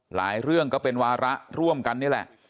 หลายเรื่องก็เป็นวาระร่วมกันนี่แหละ